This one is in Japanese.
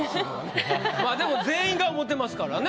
まぁでも全員が思うてますからね。